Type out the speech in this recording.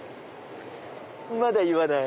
まだ言わない。